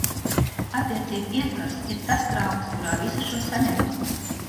Attiecību ietvars ir tas trauks, kurā šo visu saņemam.